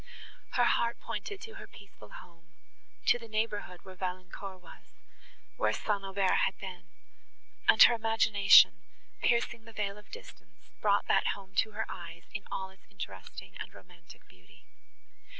Her heart pointed to her peaceful home—to the neighbourhood where Valancourt was—where St. Aubert had been; and her imagination, piercing the veil of distance, brought that home to her eyes in all its interesting and romantic beauty.